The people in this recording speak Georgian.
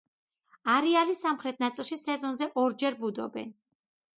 არეალის სამხრეთ ნაწილში სეზონზე ორჯერ ბუდობენ.